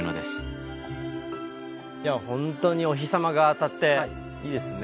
本当にお日様が当たっていいですね。